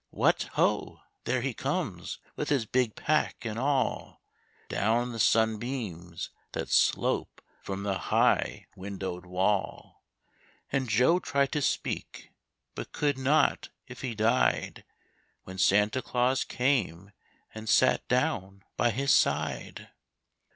What, ho! there he comes! with his big pack and all, Down the sunbeams that slope from the high windowed wall, And Joe tried to speak, but could not, if he died, When Santa Claus came and sat down by his side.